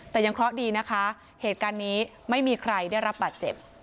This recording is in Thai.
แต่ยังเคราะห์ดีนะคะเหตุการณ์นี้ไม่มีใครได้รับบาดเจ็บ